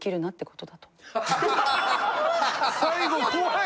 最後怖い！